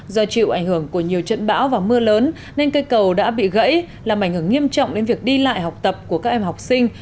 do chịu ảnh hưởng của nhiều trận bão và mưa lớn nên cây cầu đã bị gãy làm ảnh hưởng nghiêm trọng đến việc đi lại học tập của các em học sinh